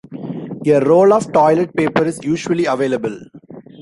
A roll of toilet paper is usually available.